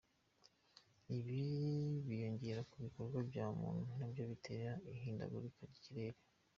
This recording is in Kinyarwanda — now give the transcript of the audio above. Ibi biyongera ku bikorwa bya muntu nabyo bitera ihindagurika ry’ikirere.